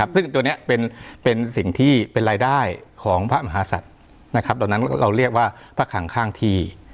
ซึ่งตัวนี้เป็นสิ่งที่เป็นรายได้ของพระมหาศัตริย์ดังนั้นเราเรียกว่าพระคังข้างที่